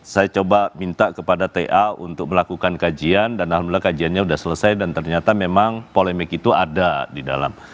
saya coba minta kepada ta untuk melakukan kajian dan alhamdulillah kajiannya sudah selesai dan ternyata memang polemik itu ada di dalam